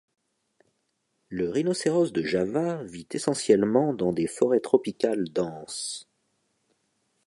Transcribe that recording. Le rhinocéros de Java vit essentiellement dans des forêts tropicales denses.